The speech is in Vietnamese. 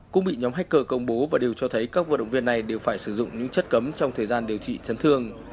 cũng bị nhóm hacker công bố và đều cho thấy các vận động viên này đều phải sử dụng những chất cấm trong thời gian điều trị chấn thương